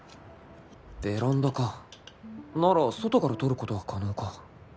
ベランダか。なら外から撮ることは可能か